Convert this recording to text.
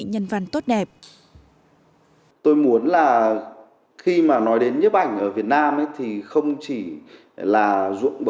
nhân văn tốt đẹp